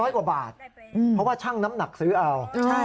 กว่าบาทเพราะว่าช่างน้ำหนักซื้อเอา